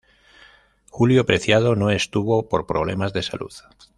Julio Preciado no estuvo por problemas de salud.